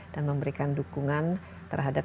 dan memberikan dukungan terhadap